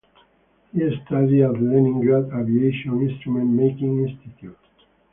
He studied at Leningrad Aviation Instrument-Making Institute.